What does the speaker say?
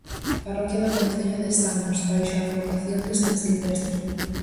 Parroquia do concello de Samos baixo a advocación de san Silvestre.